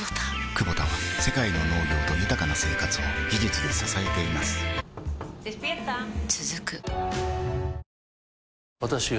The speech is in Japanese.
クボタは世界の農業と豊かな生活を技術で支えています起きて。